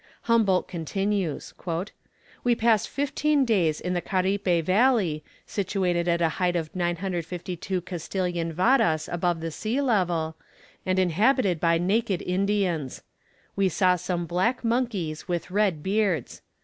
Humboldt continues: "We passed fifteen days in the Caripe valley, situated at a height of 952 Castilian varas above the sea level, and inhabited by naked Indians. We saw some black monkeys with red beards.